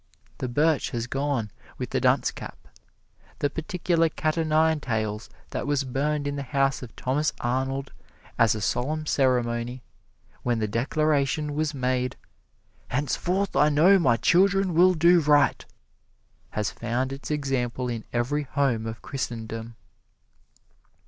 The birch has gone with the dunce cap. The particular cat o' nine tails that was burned in the house of Thomas Arnold as a solemn ceremony, when the declaration was made, "Henceforth I know my children will do right!" has found its example in every home of Christendom.